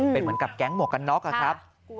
เป็นเหมือนกับแก๊งหมวกกันน็อกครับ